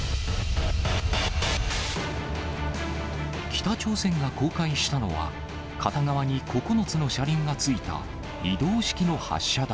北朝鮮が公開したのは、片側に９つの車輪がついた移動式の発射台。